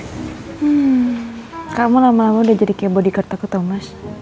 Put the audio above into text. hmm kamu lama lama udah jadi kayak bodyguard aku tau mas